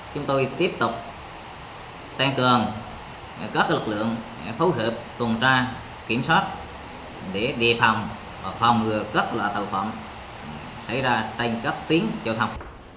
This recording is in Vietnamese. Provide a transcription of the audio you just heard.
chúng tôi tiếp tục tăng cường các lực lượng phù hợp tồn tra kiểm soát để đề phòng và phòng ngừa các loại tàu phòng xảy ra trên các tuyến giao thông